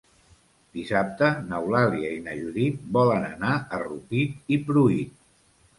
Dissabte n'Eulàlia i na Judit volen anar a Rupit i Pruit.